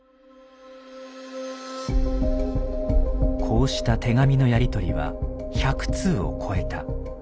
こうした手紙のやりとりは１００通を超えた。